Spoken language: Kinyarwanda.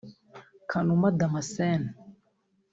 Kanuma Damascene